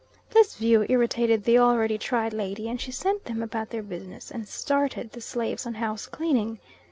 This view irritated the already tried lady, and she sent them about their business, and started the slaves on house cleaning.